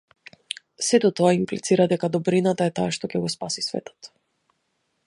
Сето тоа имплицира дека добрината е таа што ќе го спаси светот.